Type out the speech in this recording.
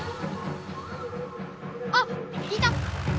あっいた！